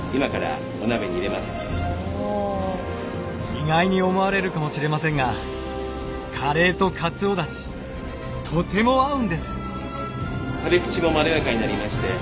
意外に思われるかもしれませんがカレーとかつおだしとても合うんです。